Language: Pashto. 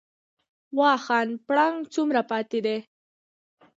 واخان پړانګ څومره پاتې دي؟